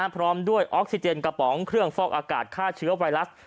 พร้อมด้วยออกซิเจนกระป๋องเครื่องฟอกอากาศฆ่าเชื้อไวรัส